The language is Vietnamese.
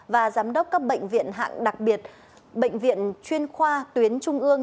và giám đốc các bệnh viện hạng đặc biệt bệnh viện chuyên khoa tuyến trung ương